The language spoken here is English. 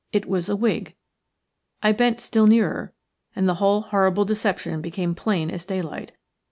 It was a wig. I bent still nearer, and the whole horrible deception became plain as daylight.